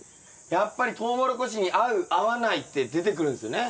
やっぱりトウモロコシに合う合わないって出てくるんですよね？